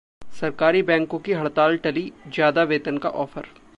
सरकारी बैंकों की हड़ताल टली, ज्यादा वेतन का ऑफर